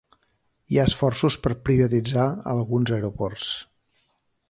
Hi ha esforços per privatitzar alguns aeroports.